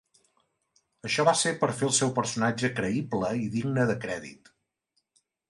Això va ser per fer el seu personatge creïble i digne de crèdit.